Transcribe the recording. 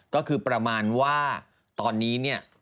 ก็คือประมาณว่าตอนนี้เนี่ย